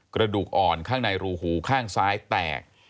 กระดูกอ่อนข้างในรูหูข้างซ้ายแตก